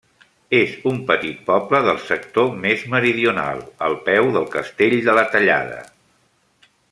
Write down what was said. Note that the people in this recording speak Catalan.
És un petit poble del sector més meridional, al peu del Castell de la Tallada.